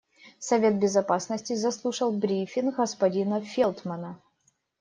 Совет Безопасности заслушал брифинг господина Фелтмана.